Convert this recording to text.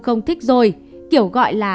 không thích rồi kiểu gọi là